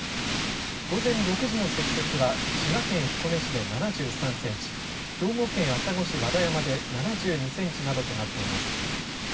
午前６時の積雪は、滋賀県彦根市で７３センチ、兵庫県朝来市和田山で７２センチなどとなっています。